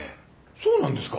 そうなんですか？